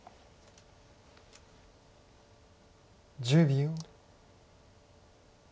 １０秒。